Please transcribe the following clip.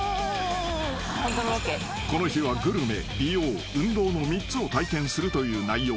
［この日はグルメ美容運動の３つを体験するという内容］